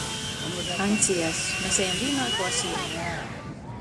Aņds i es — mes ejam vīnā klasē.